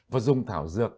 và dùng thảo dược